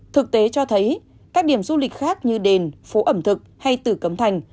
thực tế cho thấy các điểm du lịch khác như đền phố ẩm thực hay tử cấm thành